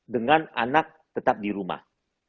dengan anak tetap di rumah